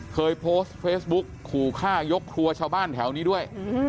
เคยโพสต์เฟซบุ๊กขู่ฆ่ายกครัวชาวบ้านแถวนี้ด้วย